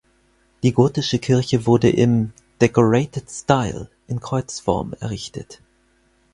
Die gotische Kirche wurde im "Decorated Style" in Kreuzform errichtet.